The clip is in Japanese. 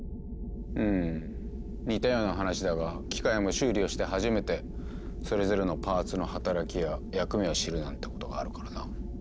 ふむ似たような話だが機械も修理をして初めてそれぞれのパーツの働きや役目を知るなんてことがあるからな。